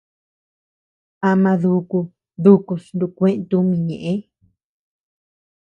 Am duku dukus nukue tumi ñeʼe.